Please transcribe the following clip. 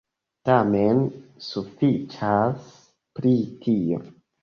Tamen, sufiĉas pri tio.